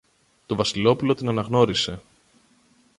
Το Βασιλόπουλο την αναγνώρισε.